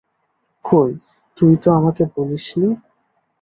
কই, তুই তো আমাকে বলিস নি?